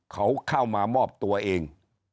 เข้ามมอบตัวเอง